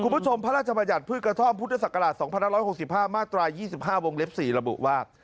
พระราชบัญญัติพืชกระท่อมพุทธศักราช๒๕๖๕มาตรา๒๕วงเล็บ๔ระบุว่า